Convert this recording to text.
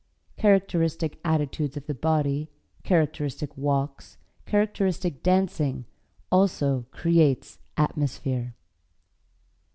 Characteristic attitudes of the body, characteristic walks, characteristic dancing also creates atmosphere.